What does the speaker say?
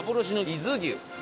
伊豆牛。